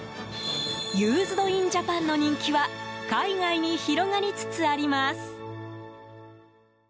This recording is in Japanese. ユーズド・イン・ジャパンの人気は海外に広がりつつあります。